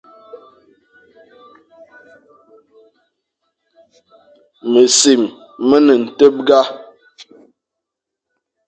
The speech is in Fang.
Mesim me ne nteghba.